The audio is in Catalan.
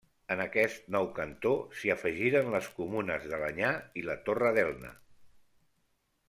En aquest nou cantó s'hi afegiren les comunes d'Alenyà i la Torre d'Elna.